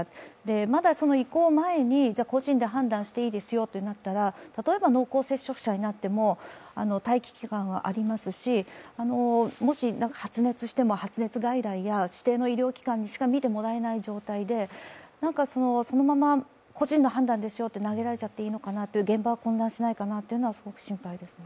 まだその移行前に個人で判断していいですよとなったら例えば濃厚接触者になっても、待機期間はありますし、もし、発熱しても、発熱外来や指定の医療機関しか診てもらえない状態でそのまま個人の判断ですよと投げられちゃっていいのかな、現場は混乱しないかなというのがすごく心配ですね。